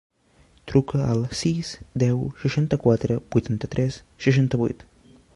Truca al sis, deu, seixanta-quatre, vuitanta-tres, seixanta-vuit.